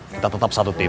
kita tetap satu tim